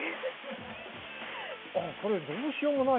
これどうしようもないね